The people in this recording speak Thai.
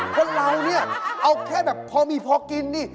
เพราะเรานี่เอาแค่แบบพอมีพอกินนี่